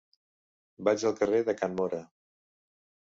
Vaig al carrer de Can Móra.